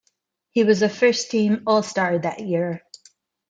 He was a first team All Star that year.